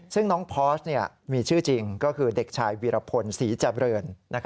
ซึ่งน้องพอสมีชื่อจริงก็คือเด็กชายวีรพลศรีเจริญ